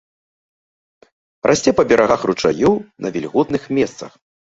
Расце па берагах ручаёў на вільготных месцах.